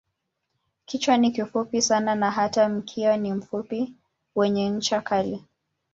Kichwa ni kifupi sana na hata mkia ni mfupi wenye ncha kali.